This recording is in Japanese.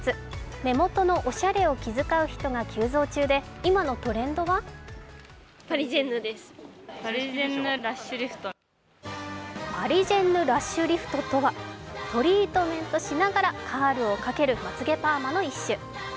目元のおしゃれを気遣う人が急増中で、今のトレンドはパリジェンヌラッシュリフトとは、トリートメントしながらカールをかけるまつげパーマの一種。